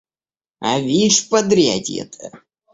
А вишь подрядье-то!